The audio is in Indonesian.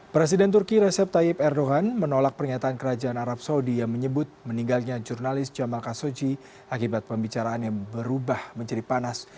presiden turki resep tayyip erdogan menolak pernyataan kerajaan arab saudi yang menyebut meninggalnya jurnalis jamal khashoji akibat pembicaraan yang berubah menjadi panas